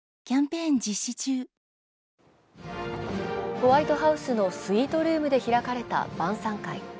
ホワイトハウスのスイートルームで開かれた晩さん会。